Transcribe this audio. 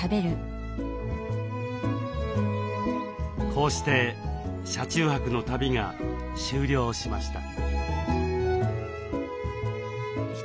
こうして車中泊の旅が終了しました。